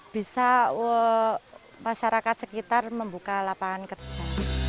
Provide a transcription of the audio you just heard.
bisa masyarakat sekitar membuka lapangan kerja